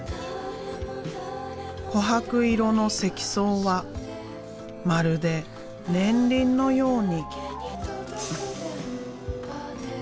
こはく色の積層はまるで年輪のように。